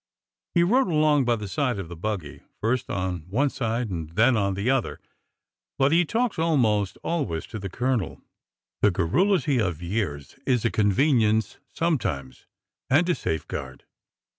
He rode along by the side of the buggy, first on one side, and then on the other. But he talked almost always to the Colonel. The garrulity of years is a convenience sometimes, and a safeguard.